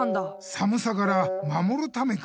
さむさから守るためか。